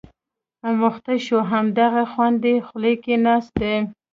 اموخته شو، هماغه خوند یې خوله کې ناست دی.